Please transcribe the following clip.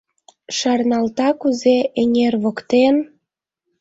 Шарналта, кузе эҥер воктен